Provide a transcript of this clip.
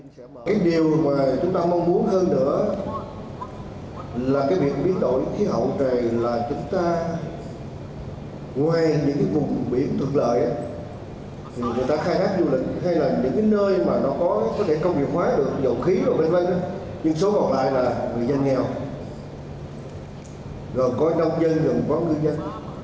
số còn lại là người dân nghèo gần có nông dân gần có người dân